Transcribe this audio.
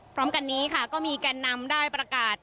พร้อมกันนี้ค่ะก็มีแก่นนำได้ประกาศ